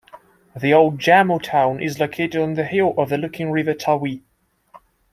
The old Jammu town is located on the hill overlooking river Tawi.